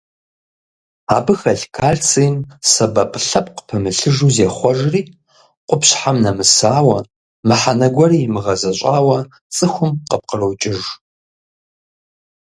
Абы хэлъ кальцийм сэбэп лъэпкъ пымылъыжу зехъуэжри, къупщхьэм нэмысауэ, мыхьэнэ гуэри имыгъэзэщӀауэ цӀыхум къыпкърокӀыж.